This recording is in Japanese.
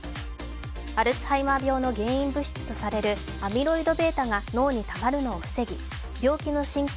アルツハイマー病の原因物質とされるアミロイドβが脳にたまるのを防ぎ病気の進行